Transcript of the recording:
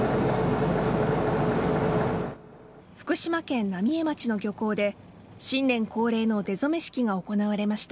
福島県浪江町の漁港で新年恒例の出初め式が行われました。